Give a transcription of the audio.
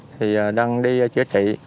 thì đang đi chữa trị